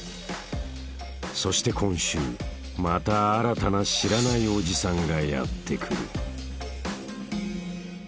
［そして今週また新たな知らないオジさんがやって来る］